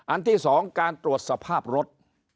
อันที่๒การตรวจสภาพรถ